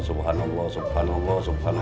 subhanallah subhanallah subhanallah